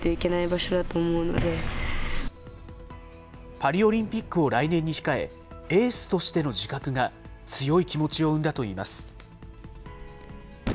パリオリンピックを来年に控え、エースとしての自覚が強い気持ちを生んだといいます。